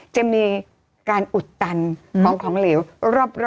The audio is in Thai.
จะมีการอุดตันของของเหลวรอบ